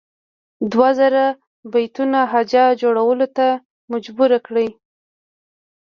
دوه زره بیتونو هجا جوړولو ته مجبور کړي.